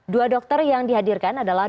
dua dokter yang dihadirkan adalah